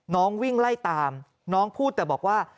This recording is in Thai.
วิ่งไล่ตามน้องพูดแต่บอกว่า